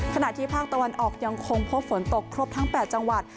ขณะที่ภาคตะวันออกยังคงพบฝนตกครบทั้ง๘จังหวัด